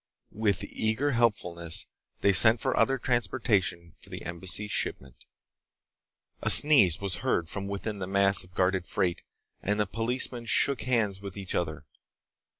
With eager helpfulness, they sent for other transportation for the Embassy's shipment. A sneeze was heard from within the mass of guarded freight, and the policemen shook hands with each other.